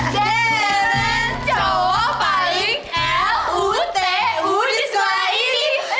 deren cowok paling lutu di sekolah ini